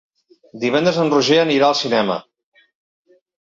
Divendres en Roger anirà al cinema.